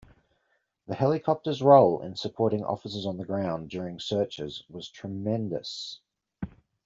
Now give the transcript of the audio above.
The helicopter's role in supporting officers on the ground during searches was tremendous.